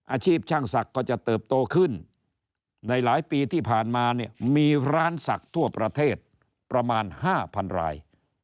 อาชีพช่างศักดิ์ก็จะเติบโตขึ้นในหลายปีที่ผ่านมาเนี่ยมีร้านศักดิ์ทั่วประเทศประมาณ๕๐๐ราย